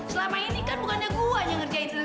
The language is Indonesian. selama ini kan bukannya gue yang ngerjain sendiri